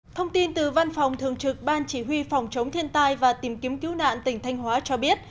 thông tin từ văn phòng thường trực ban chỉ huy phòng chống thiên tai và tìm kiếm cứu nạn tỉnh thanh hóa cho biết